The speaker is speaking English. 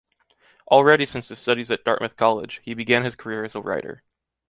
Already since his studies at Dartmouth College, he began his career as a writer.